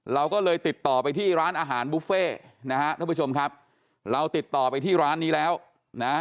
เราก็เลยติดต่อไปที่ร้านอาหารบุฟเฟ่นะฮะท่านผู้ชมครับเราติดต่อไปที่ร้านนี้แล้วนะ